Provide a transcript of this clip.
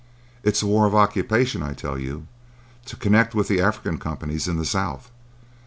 —It's a war of occupation, I tell you, to connect with the African companies in the South.